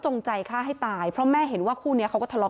ใจฆ่าให้ตายเพราะแม่เห็นว่าคู่นี้เขาก็ทะเลาะ